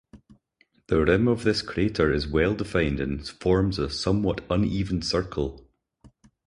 The rim of this crater is well-defined and forms a somewhat uneven circle.